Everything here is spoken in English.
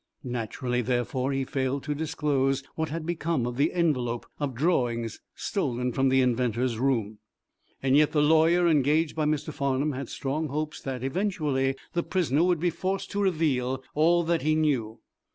Naturally, therefore, he failed to disclose what had become of the envelope of drawings stolen from the inventor's room. Yet the lawyer engaged by Mr. Farnum had strong hopes that, eventually, the prisoner would be forced to reveal all that he knew.